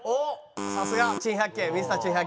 さすが！『珍百景』。